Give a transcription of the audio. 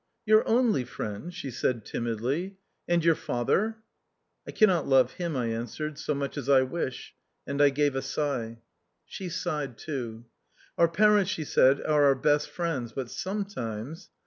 " Your only friend," she said timidly, " and your father ?"" I cannot love him," I answered, " so much as I wish ;" and I gave a sigh. She sighed too. " Our parents," she said, "are our best friends, but sometimes